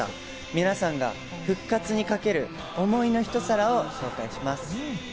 皆さんが復活にかける「想いの一皿」を紹介します。